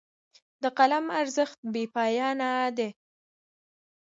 د قلم ارزښت بې پایانه دی.